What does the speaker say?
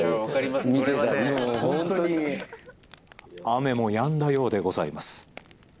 雨もやんだようでございます。